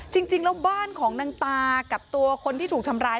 จริงแล้วบ้านของนางตากับตัวคนที่ถูกทำร้าย